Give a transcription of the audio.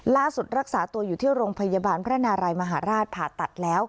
รักษาตัวอยู่ที่โรงพยาบาลพระนารายมหาราชผ่าตัดแล้ว